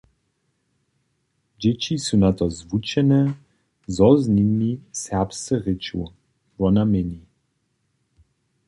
„Dźěći su na to zwučene, zo z nimi serbsce rěču“, wona měni.